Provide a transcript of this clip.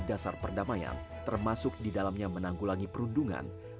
berdasar perdamaian termasuk di dalamnya menanggulangi perundungan